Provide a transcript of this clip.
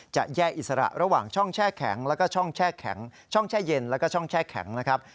จะแย่อิสระระหว่างช่องแช่แข็งแล้วก็ช่องแช่แข็งช่องแช่เย็นแล้วก็ช่องแช่แข็งนะครับ